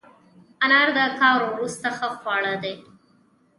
انار د کار وروسته ښه خواړه دي.